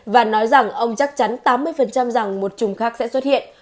và nói rằng ông chắc chắn tám mươi rằng một trùng khác sẽ xuất hiện